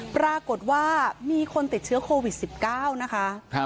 ปรากฏว่ามีคนติดเชื้อโควิด๑๙นะคะ